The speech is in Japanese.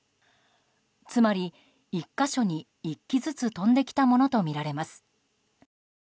つまり１か所に１機ずつ飛んできたものとみられます。